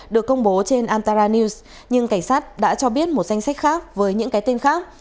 được công bố trên anttara news nhưng cảnh sát đã cho biết một danh sách khác với những cái tên khác